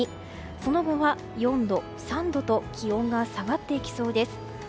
その後は４度、３度と気温が下がっていきそうです。